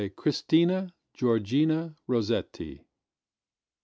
Christina Georgina Rossetti 725.